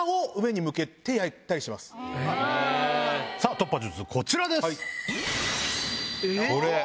突破術こちらです。